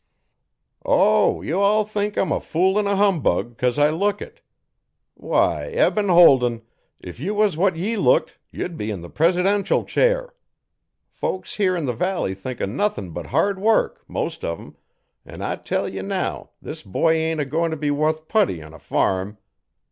'O, you all think I'm a fool an' a humbug, 'cos I look it. Why, Eben Holden, if you was what ye looked, ye'd be in the presidential chair. Folks here 'n the valley think o' nuthin' but hard work most uv 'em, an' I tell ye now this boy ain't a goin' t' be wuth putty on a farm.